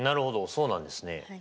そうなんですね。